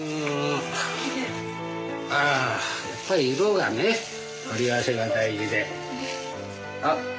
あやっぱり色がね組み合わせが大事で。